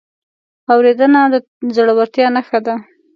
اورېدنه د زړورتیا نښه ده.